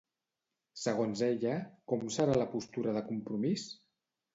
Segons ella, com serà la postura de Compromís?